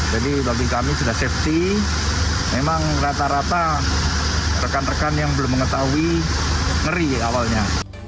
jadi bagi kami sudah safety memang rata rata rekan rekan yang belum mengetahui ngeri awalnya